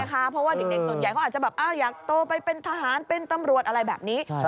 เพราะว่าเด็กส่วนใหญ่เขาอาจจะแบบอยากโตไปเป็นทหารเป็นตำรวจอะไรแบบนี้